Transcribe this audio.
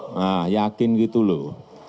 nah yakin gitu loh